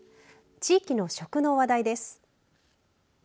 地域の食の話題です。